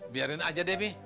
biarin aja deh be